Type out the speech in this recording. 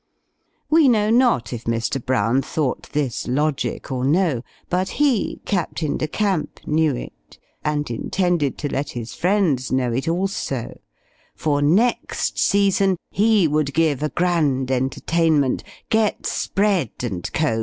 We know not if Mr. Brown thought this logic or no; but he, Captain de Camp, knew it, and intended to let his friends know it also; for next season he would give a grand entertainment, get Spread and Co.